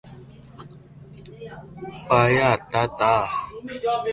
ڀآٺا ھتا تا